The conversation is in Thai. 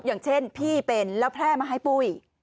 อย่างเช่นพี่เป็นแล้วแพร่มาให้ปุ้ย